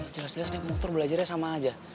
jelas jelasnya motor belajarnya sama aja